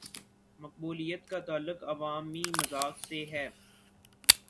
مقبولیت کا تعلق عوامی مذاق سے ہے۔